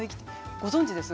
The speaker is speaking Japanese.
ご存じですか？